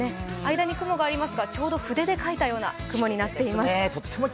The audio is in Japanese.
間に雲がありますが、ちょうど筆で書いたような雲になってます。